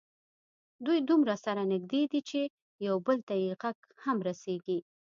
دوی دومره سره نږدې دي چې یو بل ته یې غږ هم رسېږي.